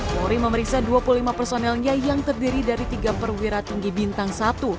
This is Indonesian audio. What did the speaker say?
polri memeriksa dua puluh lima personelnya yang terdiri dari tiga perwira tinggi bintang satu